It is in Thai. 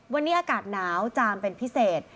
วันนี้อากาศหนาวจามเป็นพิเศษ